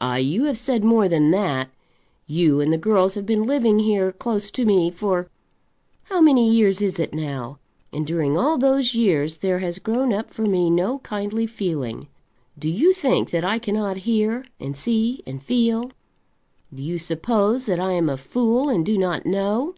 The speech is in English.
"Ah, you have said more than that. You and the girls have been living here, close to me, for how many years is it now? and during all those years there has grown up for me no kindly feeling. Do you think that I cannot hear, and see, and feel? Do you suppose that I am a fool and do not know?